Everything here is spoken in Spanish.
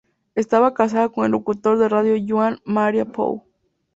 Estaba casada con el locutor de radio Joan Maria Pou.